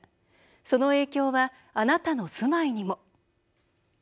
その影響はあなたの住まいにも。